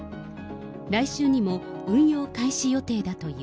来週にも運用開始予定だという。